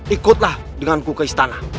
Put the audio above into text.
ikutlah dengan ku ke istana